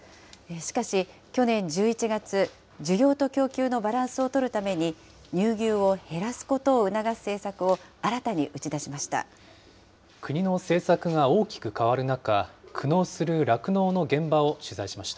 しかし、去年１１月、需要と供給のバランスをとるために、乳牛を減らすことを促す政策を、新たに打ち出しました。